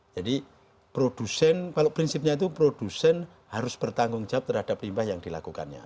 jadi produsen kalau prinsipnya itu produsen harus bertanggung jawab terhadap impah yang dilakukannya